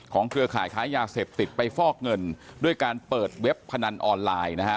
เครือข่ายค้ายาเสพติดไปฟอกเงินด้วยการเปิดเว็บพนันออนไลน์นะฮะ